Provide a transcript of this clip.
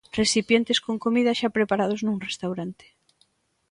Recipientes con comida xa preparados nun restaurante.